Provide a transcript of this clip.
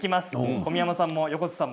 小宮山さん、横瀬さん